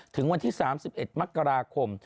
ถึงวันที่๓๑มกราคม